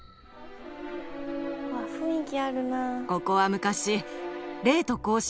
ここは昔。